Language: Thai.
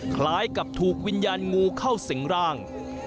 คล้ายกับถูกวิญญาณงูเข้าสิงร่าง